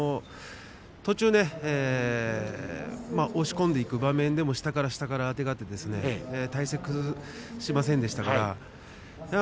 途中で押し込んでいく場面でも下から下からあてがって体勢を崩しませんでした。